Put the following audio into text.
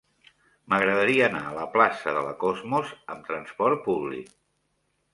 M'agradaria anar a la plaça de la Cosmos amb trasport públic.